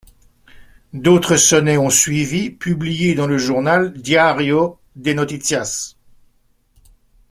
D'autres sonnets ont suivi, publiés dans le journal Diário de Noticias.